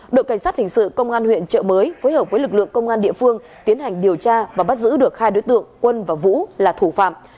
đội cảnh sát hình sự công an huyện trợ mới phối hợp với lực lượng công an địa phương tiến hành điều tra và bắt giữ được hai đối tượng quân và vũ là thủ phạm